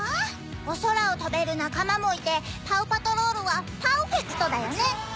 お空を飛べる仲間もいてパウ・パトロールはパウフェクトだよね。